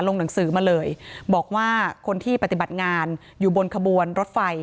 หนังสือมาเลยบอกว่าคนที่ปฏิบัติงานอยู่บนขบวนรถไฟ